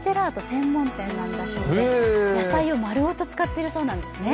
専門店なんだそうで野菜を丸ごと使っているそうです。